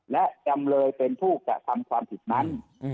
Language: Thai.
และจำเลยเป็นผู้กระทำความผิดนั้น